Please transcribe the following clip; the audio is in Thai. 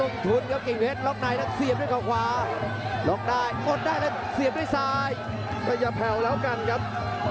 พยายามกำลังมาเจ้าทีบ